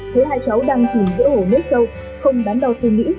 thế hai cháu đang chỉnh giữa hồ nước sâu không bán đo suy nghĩ